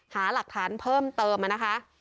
หาหลักฐานเพิ่มเติมนะคะ